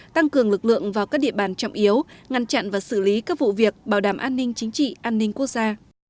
tăng cường lực lượng vào các địa bàn trọng yếu ngăn chặn và xử lý các vụ việc bảo đảm an ninh chính trị an ninh quốc gia